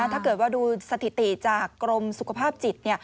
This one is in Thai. ถ้าเกิดว่าดูสถิติจากกรมสุขภาพจิต